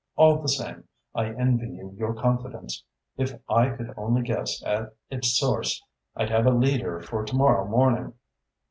All the same, I envy you your confidence. If I could only guess at its source, I'd have a leader for to morrow morning."